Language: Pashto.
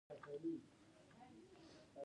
تاریخ د خپل ولس د سترگې په شان دی.